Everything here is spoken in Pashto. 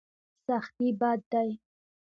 سختي بد دی.